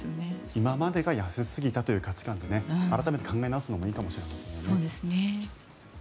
今までが安すぎたという価値観で改めて考え直すのもいいかもしれませんね。